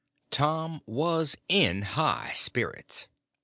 Tom was in high spirits.